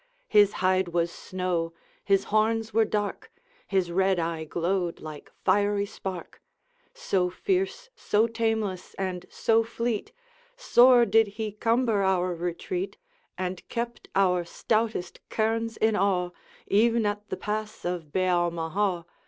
His hide was snow, his horns were dark, His red eye glowed like fiery spark; So fierce, so tameless, and so fleet, Sore did he cumber our retreat, And kept our stoutest kerns in awe, Even at the pass of Beal 'maha.